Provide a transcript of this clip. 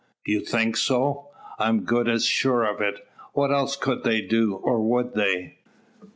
"You think so?" "I'm good as sure of it. What else could they do, or would they?